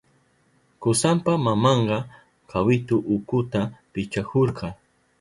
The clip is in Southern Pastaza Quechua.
Kusanpa mamanka kawitu ukuta pichahurka.